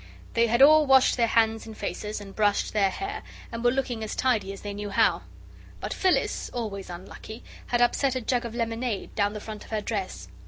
They had all washed their hands and faces, and brushed their hair, and were looking as tidy as they knew how. But Phyllis, always unlucky, had upset a jug of lemonade down the front of her dress.